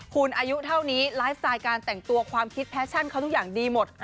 คุณอายุเท่านี้ไลฟ์สไตล์การแต่งตัวความคิดแฟชั่นเขาทุกอย่างดีหมด